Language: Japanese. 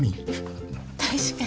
確かに。